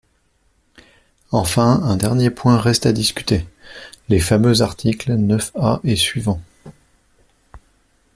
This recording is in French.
Enfin, un dernier point reste à discuter : les fameux articles neuf A et suivants.